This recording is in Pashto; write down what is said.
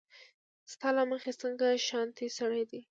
ستا له مخې څنګه شانتې سړی دی